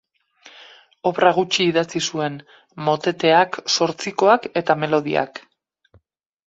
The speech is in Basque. Obra gutxi idatzi zuen: moteteak, zortzikoak eta melodiak.